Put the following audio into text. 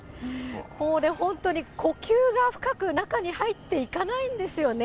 もう本当に呼吸が深く中に入っていかないんですよね。